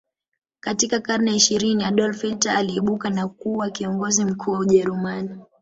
Katika karne ya ishirini Adolf Hitler aliibuka na kuwa kiongozi mkuu wa ujerumani